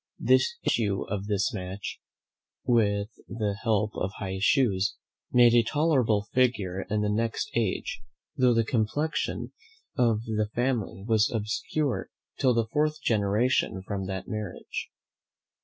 The issue of this match, with the help of high shoes, made a tolerable figure in the next age, though the complexion of the family was obscure till the fourth generation from that marriage.